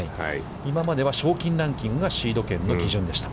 今までは賞金ランキングがシード権の基準でした。